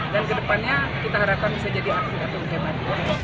dan kedepannya kita harapkan bisa jadi aktif atau menghemat